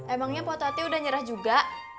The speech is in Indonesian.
emangnya pototnya udah nyerah juga